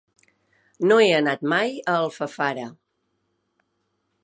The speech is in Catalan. No he anat mai a Alfafara.